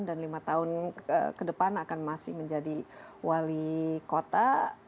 dan lima tahun ke depan akan masih menjadi wali kota